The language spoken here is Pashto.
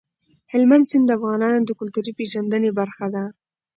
هلمند سیند د افغانانو د کلتوري پیژندنې برخه ده.